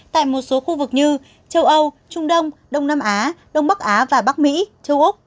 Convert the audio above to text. tại một số khu vực như châu âu trung đông đông nam á đông bắc á và bắc mỹ châu úc